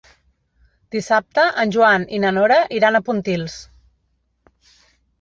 Dissabte en Joan i na Nora iran a Pontils.